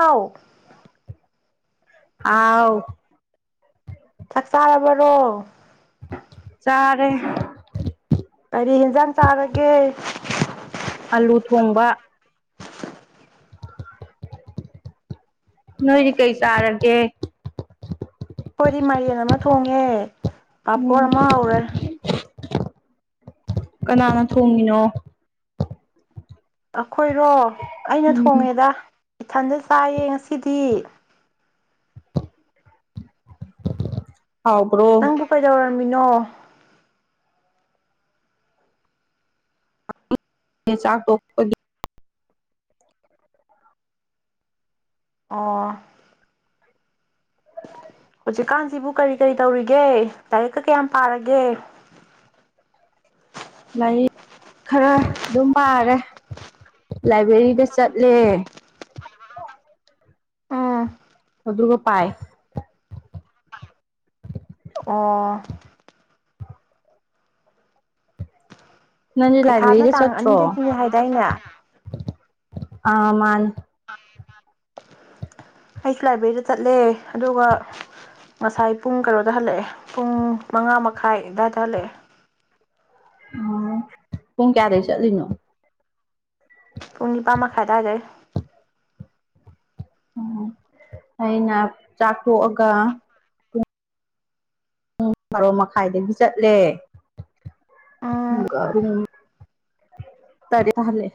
ꯑꯥꯎ ꯑꯥꯎ ꯆꯥꯛ ꯆꯥꯔꯕꯔꯣ ꯆꯔꯤ ꯀꯔꯤ ꯏꯟꯖꯥꯡ ꯆꯥꯔꯒꯦ ꯑꯂꯨ [inaudible] ꯅꯣꯏꯗꯤ ꯀꯩ ꯆꯥꯔꯒꯦ ꯍꯣꯏꯗꯤ ꯃꯦꯟ ꯑꯃ ꯊꯣꯡꯉꯦ ꯎꯝ ꯑꯄꯔꯃ ꯍꯧꯎꯔꯦ ꯀꯅꯥꯅ ꯊꯣꯡꯉꯤꯅꯣ ꯑꯩꯈꯣꯏꯔꯣ ꯑꯩꯅ ꯎꯝ ꯊꯣꯡꯉꯦꯗ ꯏꯊꯟꯗ ꯆꯥꯏꯌꯦ ꯉꯁꯤꯗꯤ ꯍꯥꯎꯕ꯭ꯔꯣ ꯆꯪ ꯇ ꯀꯩꯖ ꯃꯤꯅꯣ ꯁꯥꯐ ꯇ ꯑꯣ ꯍꯧꯖꯤꯛꯀꯥꯟꯁꯤꯕꯨ ꯀꯔꯤ ꯀꯔꯤ ꯇꯧꯔꯤꯒꯦ ꯂꯥꯏꯔꯤꯛꯀ ꯀꯌꯥꯝ ꯄꯥꯔꯒꯦ ꯂꯥꯏꯔꯤꯛ ꯈꯔ ꯑꯗꯨꯝ ꯄꯥꯔꯦ ꯂꯥꯏꯕ꯭ꯔꯦꯔꯤꯗ ꯆꯠꯂꯦ ꯎꯝ ꯑꯣꯗ꯭ꯔꯒ ꯄꯥꯏ ꯑꯣ ꯅꯪꯗꯤ ꯄꯩꯈꯥꯗ ꯂꯥꯏꯕ꯭ꯔꯦꯔꯤꯗ ꯇꯥꯡ ꯆꯠꯇ꯭ꯔꯣ ꯑꯅꯤꯗꯒꯤꯅꯦ ꯍꯥꯏꯗꯥꯏꯅꯦ ꯑꯍꯃꯥꯟ ꯑꯩꯁꯨ ꯂꯥꯏꯕ꯭ꯔꯦꯔꯤꯗ ꯆꯠꯂꯦ ꯑꯗꯨꯒ ꯉꯁꯥꯏ ꯄꯨꯡ ꯀꯩꯅꯣꯗ ꯍꯜꯂꯛꯑꯦ ꯄꯨꯡ ꯃꯉꯥ ꯃꯈꯥꯏ ꯑꯗꯨꯋꯥꯏꯗ ꯍꯜꯂꯛꯑꯦ ꯎ ꯍꯨꯡ ꯀꯌꯥꯗꯦꯁ ꯑꯗꯨꯖꯤꯅꯣ ꯄꯨꯡ ꯅꯤꯄꯥꯟ ꯃꯈꯥꯏ ꯇꯥꯖꯩ ꯎꯝ ꯑꯩꯅ ꯆꯥꯊꯣꯛꯑꯒ ꯄꯨꯡ ꯇꯔꯣ ꯃꯈꯥꯏꯗꯒꯤ ꯆꯠꯂꯦ ꯎꯝ ꯄꯨꯡ ꯇꯔꯦꯠ ꯊꯥꯍꯜꯂꯦ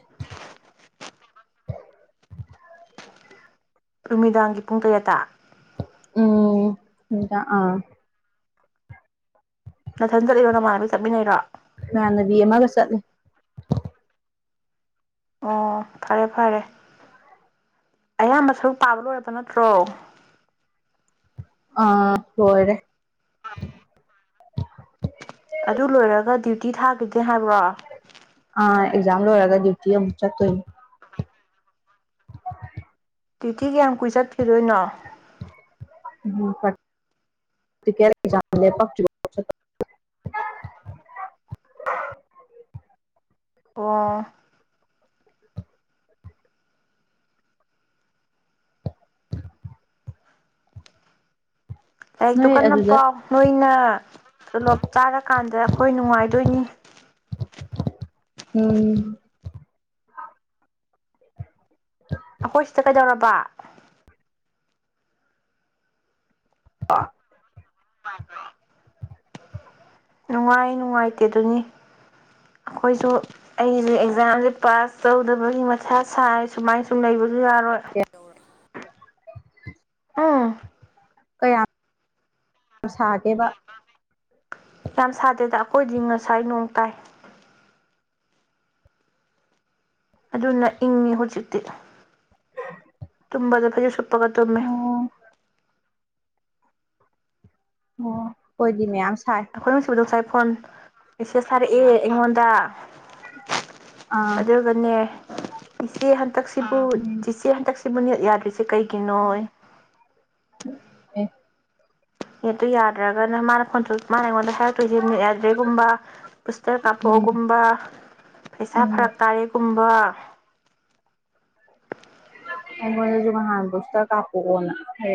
ꯅꯨꯃꯤꯗꯥꯡꯒꯤ ꯄꯨꯡ ꯀꯌꯥ ꯇ ꯎꯝ ꯍꯗ ꯑꯥ ꯅꯅꯥꯊꯟ ꯆꯠꯂꯤꯔꯣ ꯅꯃꯥꯟꯅꯕ ꯆꯠꯃꯤꯟꯅꯩꯔꯣ ꯅꯥꯟꯅꯕꯤ ꯑꯃꯒ ꯆꯠꯂꯦ ꯑꯣ ꯐꯔꯦ ꯐꯔꯦ ꯑꯌꯥꯝꯕ ꯁꯔꯨꯛ ꯄꯥꯕ ꯂꯣꯏꯔꯕ ꯅꯠꯇ꯭ꯔꯣ ꯑꯥ ꯍꯔꯦ ꯑ ꯑꯗꯨ ꯂꯣꯏꯔꯒ ꯗ꯭ꯌꯨꯇꯤ ꯊꯥ ꯑꯗꯨꯗꯤ ꯍꯥꯏꯕ꯭ꯔꯣ ꯂꯣ ꯔꯒꯥꯗꯛꯇꯤꯌꯥ ꯃ꯭ꯔꯥꯛ ꯇꯣꯌ ꯇꯤꯇꯤ ꯀꯌꯥꯝ ꯀꯨꯏ ꯆꯠꯈꯤꯗꯣꯏꯅꯣ [unintelligible] ꯑꯣ [unintelligible] ꯂꯥꯏꯔꯤꯛꯇꯨ ꯅꯣꯏ ꯀꯟꯅ ꯑꯗꯨꯗ ꯄꯥꯎ ꯅꯣꯏꯅ ꯇꯣꯂꯣꯞ ꯆꯥꯔꯀꯥꯟꯗ ꯑꯩꯈꯣꯏ ꯅꯨꯡꯉꯥꯏꯗꯣꯏꯅꯤ ꯎꯝ ꯑꯩꯈꯣꯏꯁ ꯇꯀ ꯆꯥꯎꯎꯔꯔꯕ ꯋꯥ ꯑꯥ ꯑ ꯃꯥ ꯅꯨꯡꯉꯥꯏ ꯅꯨꯡꯉꯥꯏꯇꯦ ꯑꯗꯨꯅꯤ ꯑꯩꯈꯣꯏꯁꯨ ꯑꯩꯁꯦ ꯑꯦꯛꯖꯥꯝꯁꯦ ꯄꯥꯁ ꯇꯧꯗꯕꯒꯤ ꯃꯁꯥ ꯁꯥꯏ ꯁꯨꯃꯥꯏꯅ ꯁꯨꯝ ꯂꯩꯕ ꯌꯥꯔꯣꯏ [unintelligible] ꯎꯝ ꯀꯌꯥ ꯌꯥꯝ ꯁꯥꯒꯦꯕ ꯌꯥꯝ ꯁꯥꯗꯦꯗ ꯑꯩꯈꯣꯏꯗꯤ ꯉꯁꯥꯏ ꯅꯣꯡ ꯇꯥꯏ ꯑꯗꯨꯅ ꯏꯪꯉꯤ ꯍꯧꯖꯤꯛꯇꯤ ꯑꯗꯨꯁꯨ ꯄꯒ ꯇꯃꯦ ꯑꯣ ꯑꯣ ꯑꯣꯏꯣꯏꯗꯤꯃꯤ ꯑꯩꯈꯣꯏꯅ ꯁꯤꯕꯗ ꯁꯥꯦ ꯐꯣꯟ ꯏꯆꯦ ꯁꯥꯔꯛꯑꯦ ꯑꯩꯉꯣꯟꯗ ꯑꯥ ꯑꯗꯨꯒꯅꯦ ꯏ ꯍꯥꯏ ꯍꯟꯗꯛꯁꯤꯕꯨ ꯎꯝ ꯆꯤꯁꯤ ꯍꯟꯗꯛ ꯁꯤꯕꯨꯅꯦꯠ ꯌꯥꯗ꯭ꯔꯤꯁꯦ ꯀꯩꯒꯤꯅꯣ ꯑꯦ ꯌꯦꯠꯇ ꯌꯥꯗ꯭ꯔꯒꯅ ꯃꯥꯅ ꯈꯣꯟꯆꯣꯛ ꯃꯥꯅ ꯑꯩꯉꯣꯟꯗ ꯍꯥꯏꯔꯛꯇꯣꯏꯁꯦ ꯃꯤꯠ ꯌꯥꯗ꯭ꯔꯦꯒꯨꯝꯕ ꯄꯨꯁꯇꯔ ꯎꯝ ꯀꯥꯞꯄꯣꯛꯑꯣꯒꯨꯝꯕ ꯄꯩꯁꯥ ꯎꯝ ꯐꯔꯛ ꯇꯥꯔꯦꯒꯨꯝꯕ ꯑ ꯃ ꯍꯥꯟꯕꯁꯇ ꯀꯥꯄꯅ ꯍ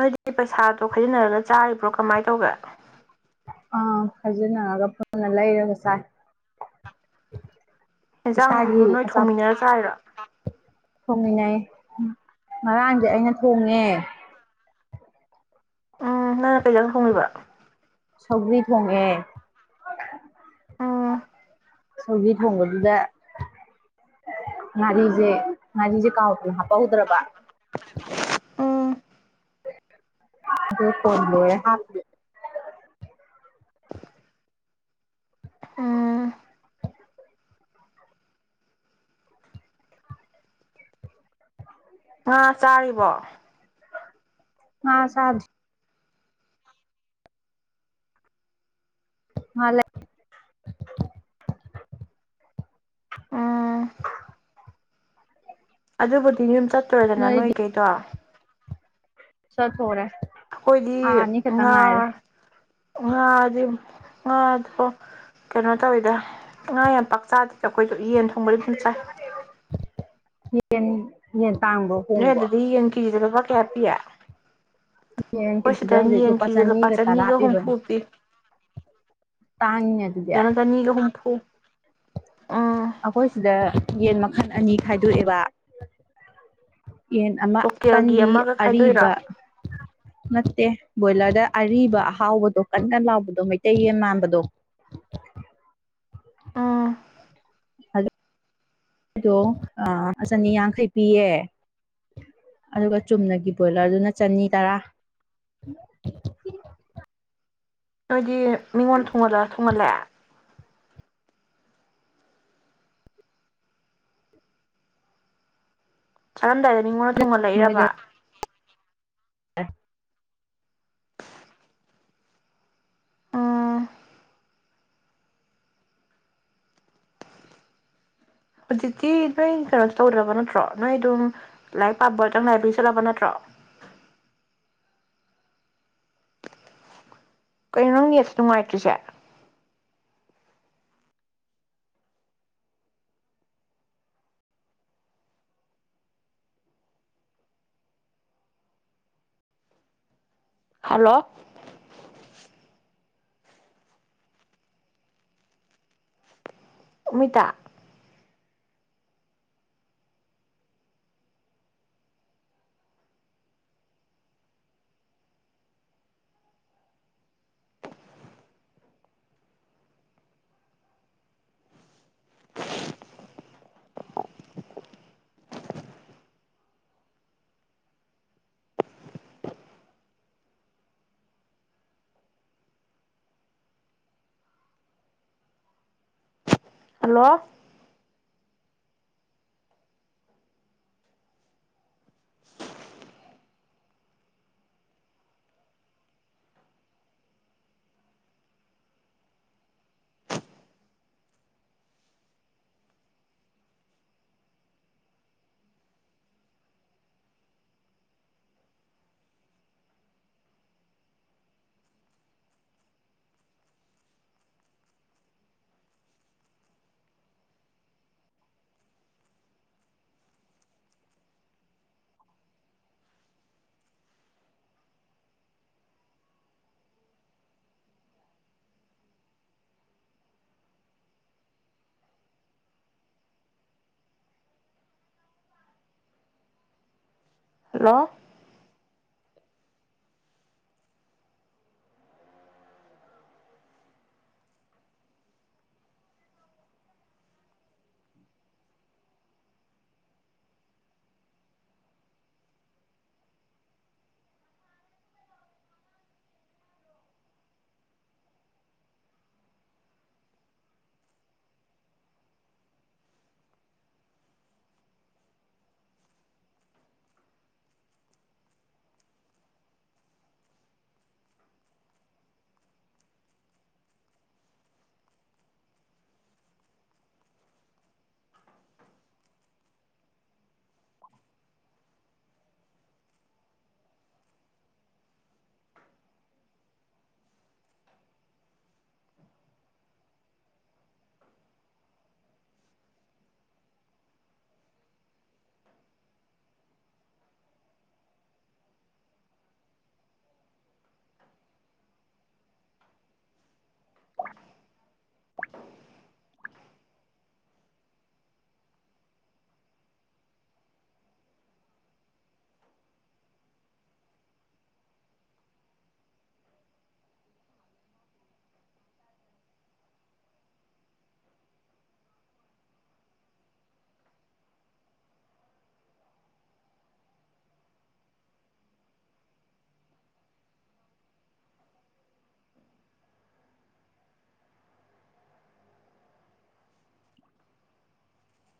ꯅꯣꯏꯗꯤ ꯄꯩꯁꯥꯗꯣ ꯈꯥꯏꯖꯤꯟꯅꯔꯒ ꯆꯥꯔꯤꯕ꯭ꯔꯣ ꯀꯃꯥꯏꯅ ꯇꯧꯒꯦ ꯑꯥ ꯈꯥꯖꯤꯟꯅꯔꯒ ꯄꯨꯅ ꯂꯩꯔꯒ ꯆꯥꯏ ꯌꯦꯟꯁꯥꯡꯗꯨꯁꯨ ꯏꯁꯥꯒꯤ ꯅꯣꯏ ꯑꯆꯥꯄꯣꯠ ꯊꯣꯡꯃꯤꯟꯅꯔ ꯆꯥꯏꯔ ꯊꯣꯡꯃꯤꯟꯅꯩ ꯉꯔꯥꯡꯗꯤ ꯑꯩꯅ ꯊꯣꯡꯉꯦ ꯎꯝ ꯅꯪꯅ ꯀꯩꯖꯪ ꯍꯣꯡꯉꯕ ꯁꯧ꯭ꯔꯤ ꯊꯣꯡꯉꯦ ꯎꯝ ꯁꯣꯒꯤ ꯊꯣꯡꯕꯗꯨꯗ ꯉꯥꯔꯤꯁꯦ ꯉꯥꯔꯤꯁꯦ ꯀꯥꯎꯄ ꯍꯥ ꯕꯥꯎꯧꯗ꯭ꯔꯕꯥ ꯎꯝ ꯐꯣꯟ ꯂꯣꯏꯣꯏ ꯍ ꯎꯝ ꯑꯥ ꯆꯥꯔꯤꯕꯣ ꯑ ꯁꯥꯖ ꯃꯥꯂ ꯎꯝ ꯑꯗꯨꯕꯨꯗꯤ ꯌꯨꯝ ꯆꯠꯇꯨꯔꯗꯅ ꯅꯣꯏ ꯀꯩꯗꯣ ꯁꯠ ꯍꯔ ꯑꯩꯈꯣꯏꯗꯤ ꯉꯥ ꯉꯥꯗꯤ ꯉꯥꯗꯣ ꯀꯩꯅꯣ ꯇꯧꯋꯤꯗ ꯉꯥ ꯌꯥꯝ ꯄꯥꯛꯆꯥꯥꯗꯦꯗ ꯑꯩꯈꯣꯏ ꯑ ꯌꯦꯟ ꯊꯣꯡꯕꯗꯤ ꯑꯗꯨꯝ ꯆꯥꯏ ꯌꯦꯟ ꯌꯦꯟ ꯇꯥꯡꯕ꯭ꯔꯣ ꯅꯣꯏ ꯍꯣꯡꯕ꯭ꯔꯣ ꯑꯗꯨꯗ ꯌꯦꯟ ꯀꯦꯖꯤꯗ ꯂꯨꯄꯥ ꯀꯌꯥ ꯄꯤꯌꯦ ꯌꯦꯟ ꯑꯩꯈꯣꯏ ꯁꯤꯗ ꯀꯦꯖꯤꯗ ꯍꯧꯖꯤꯛ ꯌꯦꯟꯈꯤꯖꯤꯗ ꯂꯨꯄꯥ ꯇꯔꯥ ꯆꯅꯤꯒ ꯍꯨꯝꯐꯨ ꯄꯤꯕꯅꯤ ꯄꯤ ꯇꯥꯡꯉꯤꯅꯦ ꯑꯗꯨꯗꯤ ꯁꯤꯗꯅ ꯆꯅꯤꯒ ꯍꯨꯝꯐꯨ ꯎꯝ ꯑꯩꯈꯣꯏ ꯁꯤꯗ ꯌꯦꯟ ꯃꯈꯜ ꯑꯅꯤ ꯈꯥꯏꯗꯣꯛꯑꯦꯕ ꯌꯦꯟ ꯑꯃ ꯂꯣꯀꯦꯜꯒꯤ ꯑꯀꯟꯕꯤ ꯑꯃꯒ ꯈꯥꯏꯗꯣꯛꯏꯔꯣ ꯑꯔꯤꯕ ꯅꯠꯇꯦ ꯕꯣꯏꯂꯔꯗ ꯑꯔꯤꯕ ꯑꯍꯥꯎꯕꯗꯣ ꯀꯟꯅ ꯂꯥꯎꯕꯗꯣ ꯃꯩꯇꯩ ꯌꯦꯟ ꯃꯥꯟꯕꯗꯣ ꯎꯝ ꯑꯥꯗꯣ ꯆꯅꯤ ꯌꯥꯡꯈꯩ ꯄꯤꯌꯦ ꯑꯗꯨꯒ ꯆꯨꯝꯅꯒꯤ ꯕꯣꯏꯂꯔꯗꯨꯅ ꯆꯅꯤ ꯇꯔꯥ ꯑꯗꯤ ꯃꯤꯉꯣꯟ ꯊꯣꯡꯍꯜꯂ ꯊꯣꯡꯍꯜꯂꯦ ꯆꯥꯔꯝꯗꯥꯏ ꯃꯤꯉꯣꯟ ꯊꯣꯡꯍꯜꯂꯛꯏꯔꯕ ꯑꯦ ꯎꯝ ꯍꯧꯖꯤꯛꯇꯤ ꯅꯣꯏ ꯀꯩꯅꯣ ꯇꯧꯗ꯭ꯔꯕ ꯅꯠꯇ꯭ꯔꯣ ꯅꯣꯏ ꯑꯗꯨꯝ ꯂꯥꯏꯔꯤꯛ ꯄꯥꯕꯇꯪ ꯂꯥꯏꯕꯔꯤ ꯆꯠꯂꯕ ꯅꯠꯇ꯭ꯔꯣ ꯀꯩꯅꯣ ꯅꯪ ꯅꯦꯁ ꯅꯨꯡꯉꯥꯏꯇ꯭ꯔꯤꯁꯦ ꯍꯜꯂꯣ ꯑꯃꯤꯇꯥ ꯍꯜꯂꯣ ꯍꯜꯂꯣ [inaudible]